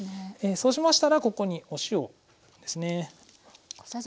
そうしましたらここにお塩ですね。